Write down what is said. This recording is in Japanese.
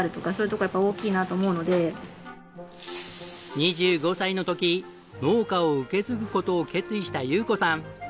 ２５歳の時農家を受け継ぐ事を決意した優子さん。